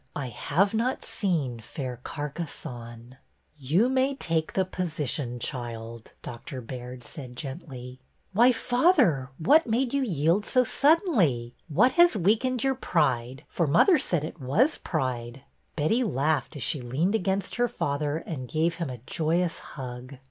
I have not seen fair Carcassonne !" You may take the position, child," Dr. Baird said gently. '' Why, father, what made you yield so sud denly? What has weakened your pride, for mother said it was pride ?" Betty laughed, as she leaned against her father and gave him a joyous hug.